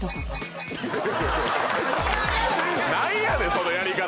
何やねんそのやり方！